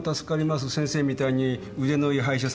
先生みたいに腕のいい歯医者さんに引退されたら。